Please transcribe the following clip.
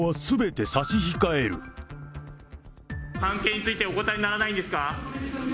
関係について、お答えにならないんですか。